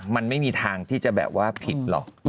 มันไม่มีทางที่จะแบบว่าผิดหรอก